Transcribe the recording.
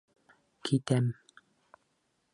Китәм!